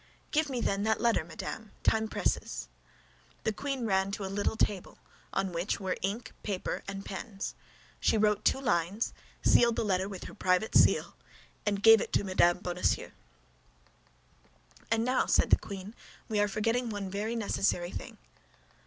"Give me then, that letter, madame; time presses." The queen ran to a little table, on which were ink, paper, and pens. She wrote two lines, sealed the letter with her private seal, and gave it to Mme. Bonacieux. "And now," said the queen, "we are forgetting one very necessary thing."